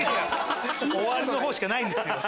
終わりの方しかないんですよ。